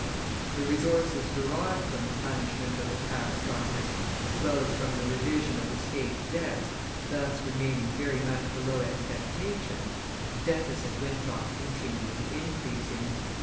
The resources derived from the punishment of the tax farmers (traitants), as well as from the revision of the state's debts, thus remaining very much below expectation, the deficit went on continually increasing.